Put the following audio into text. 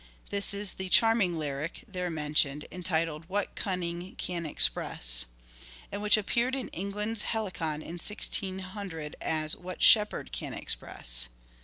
This is the " charming lyric " there mentioned, entitled " What Cunning can express ?" and which appeared in " England's Helicon " in 1600 as " What Shepherd can express